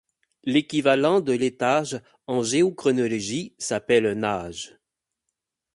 L'équivalent de l'étage en géochronologie s'appelle un âge.